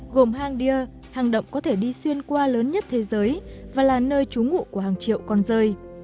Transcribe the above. gồm hang bia hang động có thể đi xuyên qua lớn nhất thế giới và là nơi trú ngụ của hàng triệu con rơi